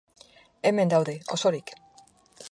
Hemen daude, osorik.